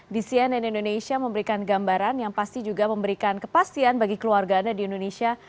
di cnn indonesia memberikan gambaran yang pasti juga memberikan kepastian bagi keluarga anda di indonesia